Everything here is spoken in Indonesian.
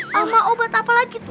sama obat apa lagi tuh